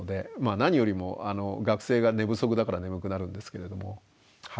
何よりも学生が寝不足だから眠くなるんですけれども。